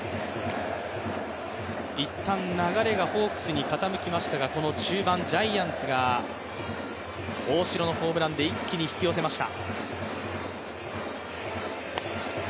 いったん流れがホークスに傾きましたがこの中盤、ジャイアンツが大城のホームランで一気に引き寄せました。